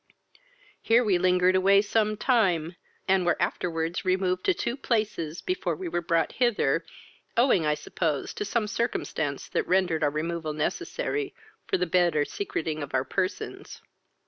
"Here we lingered away some time, and were afterwards removed to two places before we were brought hither, owing I suppose to some circumstance that rendered our removal necessary, for the better secreting of our persons.